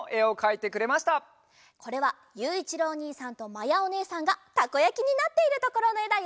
これはゆういちろうおにいさんとまやおねえさんがたこやきになっているところのえだよ。